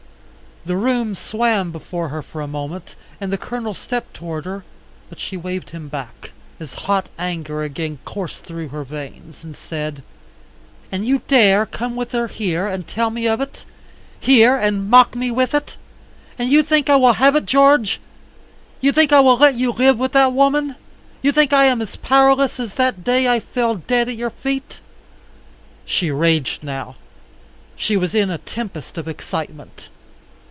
The room swam before her for a moment, and the Colonel stepped towards her, but she waved him back, as hot anger again coursed through her veins, and said, "And you dare come with her, here, and tell me of it, here and mock me with it! And you think I will have it; George? You think I will let you live with that woman? You think I am as powerless as that day I fell dead at your feet?" She raged now. She was in a tempest of excitement.